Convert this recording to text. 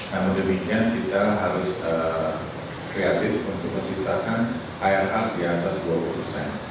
namun demikian kita harus kreatif untuk menciptakan irf di atas dua puluh persen